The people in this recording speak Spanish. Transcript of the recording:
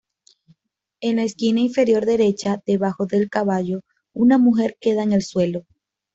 En la esquina inferior derecha, debajo del caballo, una mujer queda en el suelo.